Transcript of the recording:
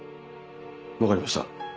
分かりました。